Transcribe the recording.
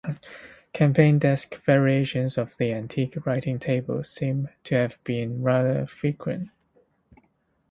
Campaign desk variations of the antique writing table seem to have been rather frequent.